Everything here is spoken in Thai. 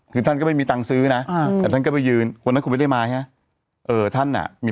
เขาก็มีแต่พระภัทร์เขาจะไปทำอะไร